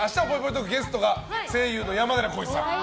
トークゲストが声優の山寺宏一さん。